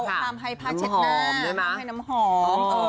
ห้ามให้ผ้าเช็ดหน้าห้ามให้น้ำหอม